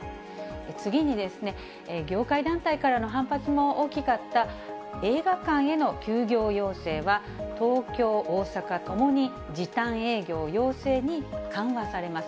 次に、業界団体からの反発も大きかった映画館への休業要請は、東京、大阪ともに時短営業要請に緩和されます。